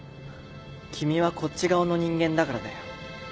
君はこっち側の人間だからだよ。